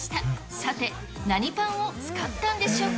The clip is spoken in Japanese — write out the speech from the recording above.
さて、何パンを使ったんでしょうか。